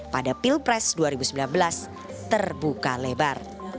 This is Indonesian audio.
pada pilpres dua ribu sembilan belas terbuka lebar